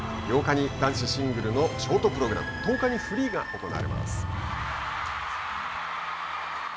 ８日に、男子シングルのショートプログラム１０日にフリーが行われます。